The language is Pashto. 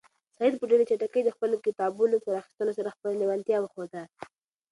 سعید په ډېرې چټکۍ د خپلو کتابونو په راخیستلو سره خپله لېوالتیا وښوده.